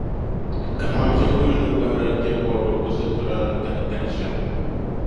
kaman piɛgula ni gbahiri jɛbɔbiri o situra ni kahikahi shɛm.